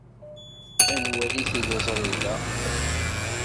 Ad nwali tiliẓri da.